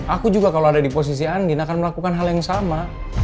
aku juga kalau ada di posisi angin akan melakukan hal yang sama